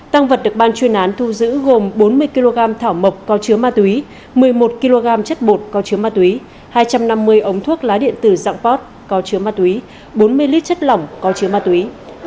tăng vật được ban chuyên án thu giữ gồm bốn mươi kg thảo mộc có chứa ma túy một mươi một kg chất bột có chứa ma túy hai trăm năm mươi ống thuốc lá điện tử dạng pot có chứa ma túy bốn mươi lít chất lỏng có chứa ma túy